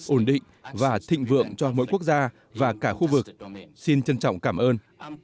ổn định và thịnh vượng cho mỗi quốc gia và cả khu vực xin trân trọng cảm ơn